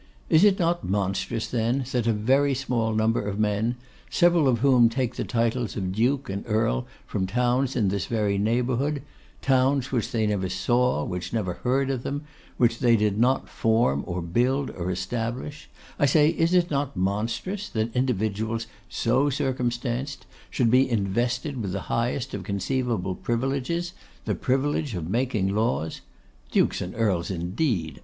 Is it not monstrous, then, that a small number of men, several of whom take the titles of Duke and Earl from towns in this very neighbourhood, towns which they never saw, which never heard of them, which they did not form, or build, or establish, I say, is it not monstrous, that individuals so circumstanced, should be invested with the highest of conceivable privileges, the privilege of making laws? Dukes and Earls indeed!